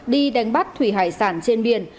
đi đánh bắt thủy hải sản trên biển